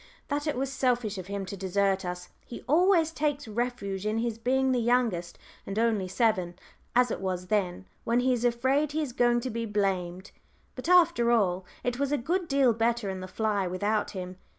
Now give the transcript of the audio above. that it was selfish of him to desert us. He always takes refuge in his being the youngest and "only seven," as it was then, when he is afraid he is going to be blamed. But, after all, it was a good deal better in the fly without him.